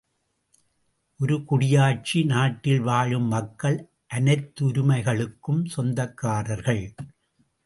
ஒரு குடியாட்சி நாட்டில் வாழும் மக்கள் அனைத்துரிமைகளுக்கும் சொந்தக்காரர்கள்.